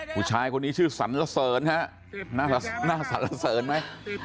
ผู้ชายคนนี้ชื่อสันละเสิรโอเคไหม